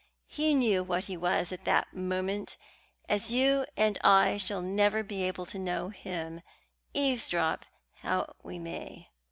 He knew what he was at that moment, as you and I shall never be able to know him, eavesdrop how we may.